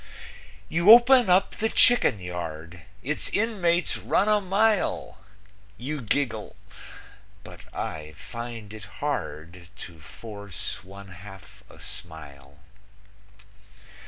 You open up the chicken yard; Its inmates run a mile; You giggle, but I find it hard To force one half a smile.